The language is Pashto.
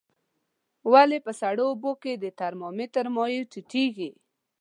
ولې په سړو اوبو کې د ترمامتر مایع ټیټیږي؟